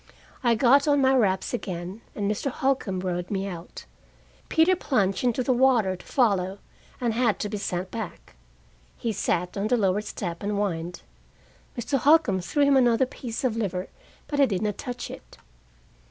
I got on my wraps again, and Mr. Holcombe rowed me out. Peter plunged into the water to follow, and had to be sent back. He sat on the lower step and whined. Mr. Holcombe threw him another piece of liver, but he did not touch it.